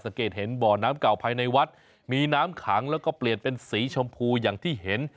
สังเกตเห็นบ่อน้ำเก่าภายในวัดมีน้ำขังแล้วก็เปลี่ยนเป็นสีชมพูอย่างที่เห็น